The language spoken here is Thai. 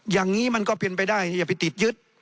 อย่างนี้มันก็เป็นไปได้อย่าไปติดยึด